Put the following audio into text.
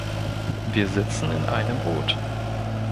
Wir sitzen in einem Boot.